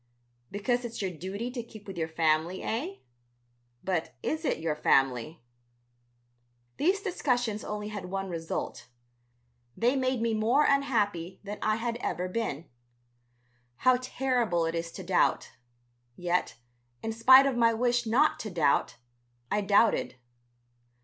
"Because it's your duty to keep with your family, eh? But is it your family?" These discussions only had one result, they made me more unhappy than I had ever been. How terrible it is to doubt. Yet, in spite of my wish not to doubt, I doubted.